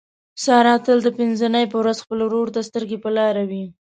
ساره تل د پینځه نۍ په ورخ خپل ورور ته سترګې په لاره وي.